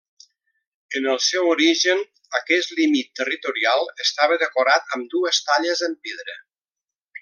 En el seu origen, aquest límit territorial estava decorat amb dues talles en pedra.